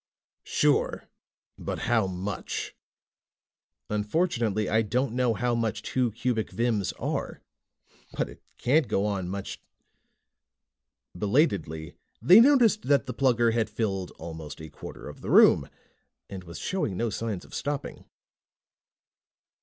"Sure. But how much?" "Unfortunately, I don't know how much two cubic vims are. But it can't go on much " Belatedly, they noticed that the Plugger had filled almost a quarter of the room and was showing no signs of stopping.